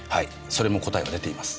それも答えは出ています。